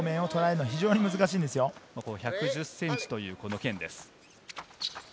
ほぼ１１０ｃｍという剣です。